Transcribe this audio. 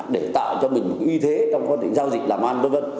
để tạo cho mình một cái uy thế trong quá trình giao dịch làm ăn